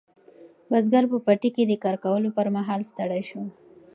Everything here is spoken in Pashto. بزګر په پټي کې د کار کولو پر مهال ستړی شو.